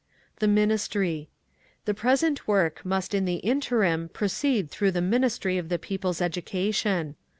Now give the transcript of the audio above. The Ministry: The present work must in the interim proceed through the Ministry of the People's Education.